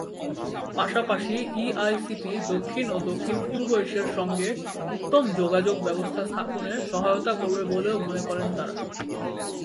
পাশাপাশি E I C T দক্ষিণ ও দক্ষিণ-পূর্ব এশিয়ার সঙ্গে উত্তম যোগাযোগ ব্যবস্থা স্থাপনে সহায়তা করবে বলেও মনে করেন তারা।